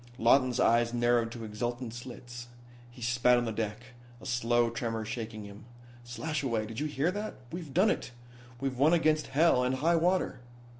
Lawton's eyes narrowed to exultant slits. He spat on the deck, a slow tremor shaking him. "Slashaway, did you hear that? We've done it. We've won against hell and high water."